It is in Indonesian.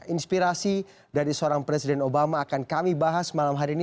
inspirasi dari seorang presiden obama akan kami bahas malam hari ini